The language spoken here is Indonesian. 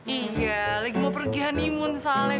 iya lagi mau pergi honeymoon soalnya